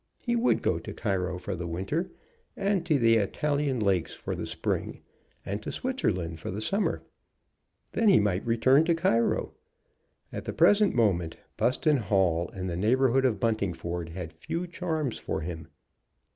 He would go to Cairo for the winter, and to the Italian lakes for the spring, and to Switzerland for the summer. Then he might return to Cairo. At the present moment Buston Hall and the neighborhood of Buntingford had few charms for him.